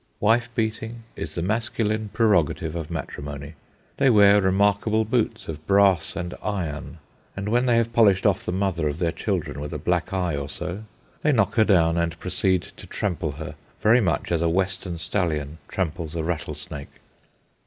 Wife beating is the masculine prerogative of matrimony. They wear remarkable boots of brass and iron, and when they have polished off the mother of their children with a black eye or so, they knock her down and proceed to trample her very much as a Western stallion tramples a rattlesnake.